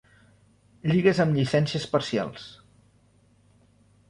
Lligues amb llicències parcials.